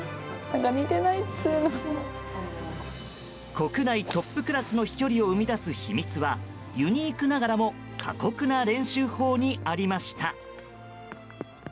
国内トップクラスの飛距離を生み出す秘密はユニークながらも過酷な練習法にありました。